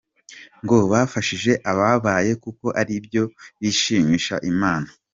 Ngo bafashije ababaye kuko ari byo bishimisha Imana.